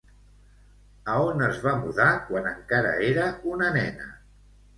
A on es va mudar quan encara era una nena?